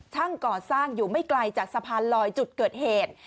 ก่อสร้างอยู่ไม่ไกลจากสะพานลอยจุดเกิดเหตุ